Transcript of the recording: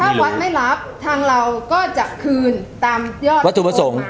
ถ้าวัดไม่รับทางเราก็จะคืนตามยอดวัตถุประสงค์